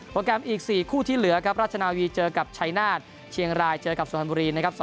แกรมอีก๔คู่ที่เหลือครับราชนาวีเจอกับชัยนาศเชียงรายเจอกับสุพรรณบุรีนะครับ